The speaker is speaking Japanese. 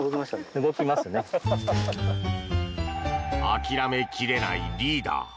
諦めきれないリーダー。